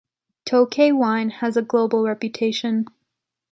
Tokay wine has a global reputation.